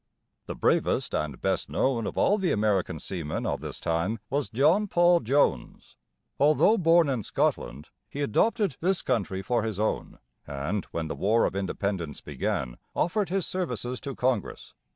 The bravest and best known of all the American seamen of this time was John Paul Jones. Although born in Scotland, he adopted this country for his own, and, when the War of Independence began, offered his services to Congress.